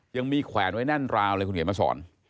ยังมีแขวนไว้แน่นราวเลยคุณเห็นไหมสอน